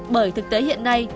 bởi thực tế hiện nay